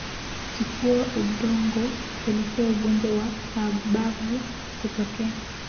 Kutifua udongo hupelekea ugonjwa wa chambavu kutokea